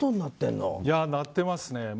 なってますね。